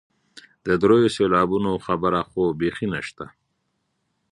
د دریو سېلابونو خبره خو بیخي نشته.